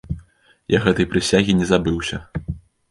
Я гэтай прысягі не забыўся.